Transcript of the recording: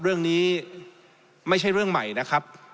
เรื่องนี้ไม่ใช่เรื่องใหม่นะครับ